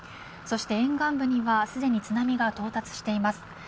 そして沿岸部にはすでに津波が到達しています。